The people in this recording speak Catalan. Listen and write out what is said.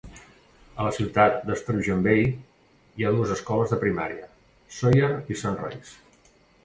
A la ciutat de Sturgeon Bay hi ha dues escoles de primària: Sawyer i Sunrise.